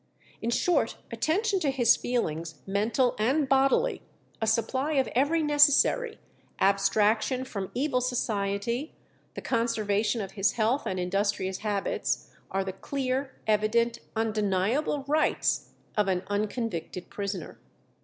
In short, attention to his feelings, mental and bodily, a supply of every necessary, abstraction from evil society, the conservation of his health and industrious habits, are the clear, evident, undeniable rights of an unconvicted prisoner."